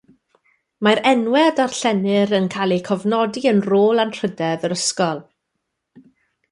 Mae'r enwau a darllenir yn cael eu cofnodi yn Rôl Anrhydedd yr ysgol.